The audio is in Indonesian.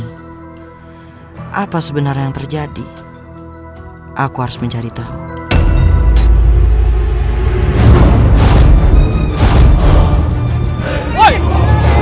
hai apa sebenarnya yang terjadi aku harus mencari tahu